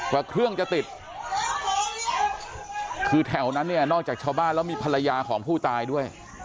ว่าเครื่องจะติดคือแถวนั้นเนี่ยนอกจากชาวบ้านแล้วมีภรรยาของผู้ตายด้วย